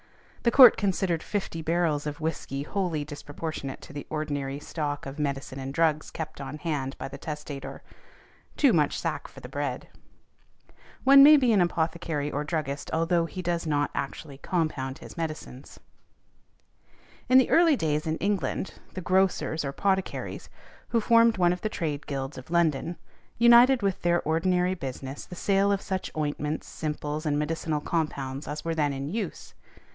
The Court considered fifty barrels of whiskey wholly disproportionate to the ordinary stock of medicine and drugs kept on hand by the testator—too much sack for the bread . One may be an apothecary or druggist although he does not actually compound his medicines . In the early days in England, the grocers, or poticaries, who formed one of the trade guilds of London, united with their ordinary business the sale of such ointments, simples |175| and medicinal compounds as were then in use.